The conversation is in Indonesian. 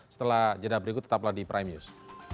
setelah jeda berikut tetaplah di prime news